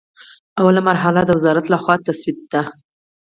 لومړۍ مرحله د وزارت له خوا تسوید دی.